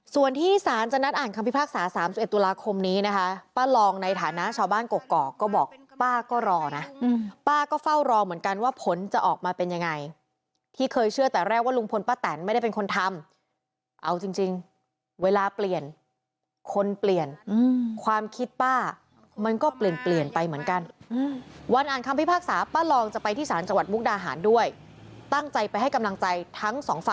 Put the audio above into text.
ส่วนที่สารจะนัดอ่านคำพิพากษา๓๑ตุลาคมนี้นะคะป้าลองในฐานะชาวบ้านกกอกก็บอกป้าก็รอนะป้าก็เฝ้ารอเหมือนกันว่าผลจะออกมาเป็นยังไงที่เคยเชื่อแต่แรกว่าลุงพลป้าแตนไม่ได้เป็นคนทำเอาจริงเวลาเปลี่ยนคนเปลี่ยนความคิดป้ามันก็เปลี่ยนเปลี่ยนไปเหมือนกันวันอ่านคำพิพากษาป้าลองจะไปที่ศาลจังหวัดมุกดาหารด้วยตั้งใจไปให้กำลังใจทั้งสองฝ